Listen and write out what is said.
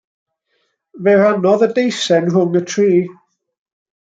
Fe rannodd y deisen rhwng y tri.